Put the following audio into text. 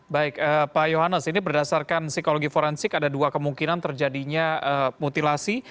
baik pak yohanes ini berdasarkan psikologi forensik ada dua kemungkinan terjadinya mutilasi